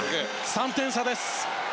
３点差です。